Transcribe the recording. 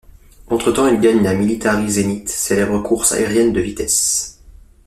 Entre-temps, il gagne la Military-Zénith, célèbre course aérienne de vitesse.